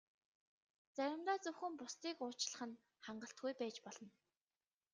Заримдаа зөвхөн бусдыг уучлах нь хангалтгүй байж болно.